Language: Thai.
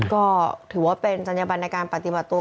ก็ถือว่าเป็นจัญญบันในการปฏิบัติตัว